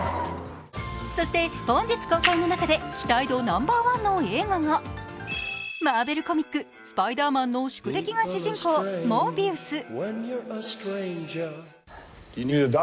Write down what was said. そして本日公開の中で期待度ナンバーワンの映画がマーベル・コミック「スパイダーマン」の宿敵が主人公、「モービウス」。